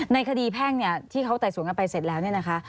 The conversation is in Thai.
ในคดีแพ่งที่เขาไต่สวนกันไปเสร็จแล้ว